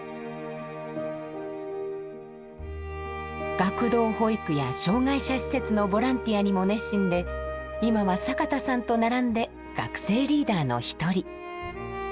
学童保育や障害者施設のボランティアにも熱心で今は坂田さんと並んで学生リーダーの一人。